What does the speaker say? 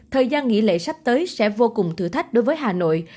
thời gian nghỉ lễ sắp tới sẽ vô cùng thử thách đối với hà nội